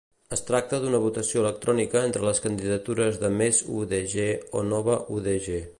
Es tracta d'una votació electrònica entre les candidatures de Més UdG o Nova UdG.